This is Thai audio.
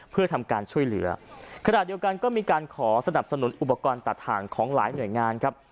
เพื่อทำการช่วยเหลือขณะเดียวกันก็มีการขอสนับสนุนอุปกรณ์ตัดทางของหลายหน่วยงานครับ